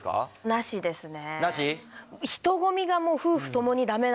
なしですね。